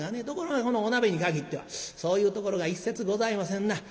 ところがこのお鍋にかぎってはそういうところが一切ございませんな。